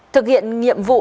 thực hiện nhiệm vụ